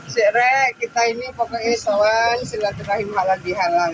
sekarang kita ini pokoknya soal silaturahim halal di halal